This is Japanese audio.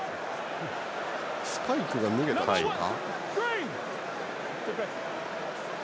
スパイクが脱げたでしょうか。